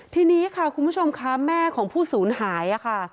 ทีนี้ค่ะคุณผู้ชมค่ะแม่ของผู้ศูนย์หายค่ะ